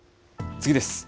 次です。